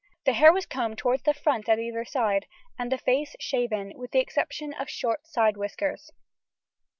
The hair was combed towards the front at either side, and the face shaven, with the exception of short side whiskers.